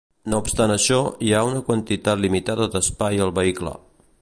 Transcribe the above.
No obstant això, hi ha una quantitat limitada d'espai al vehicle.